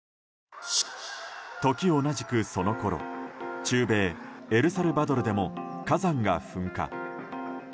時同じく、そのころ中米エルサルバドルでも火山が噴火。